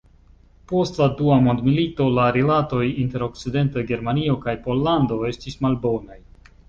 Post la dua mondmilito la rilatoj inter Okcidenta Germanio kaj Pollando estis malbonaj.